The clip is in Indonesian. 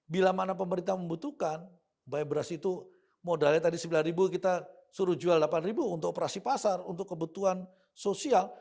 bila mana pemerintah membutuhkan bayar beras itu modalnya tadi rp sembilan kita suruh jual rp delapan untuk operasi pasar untuk kebutuhan sosial